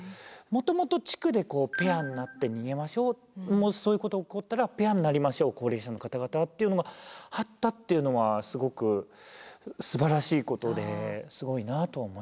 もしそういうことが起こったらペアになりましょう高齢者の方々はっていうのがあったっていうのはすごくすばらしいことですごいなと思いましたね。